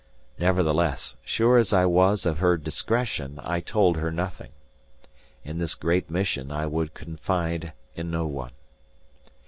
Nevertheless, sure as I was of her discretion, I told her nothing. In this great mission I would confide in no one.